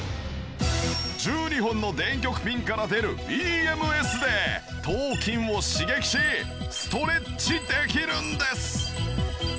１２本の電極ピンから出るＥＭＳで頭筋を刺激しストレッチできるんです。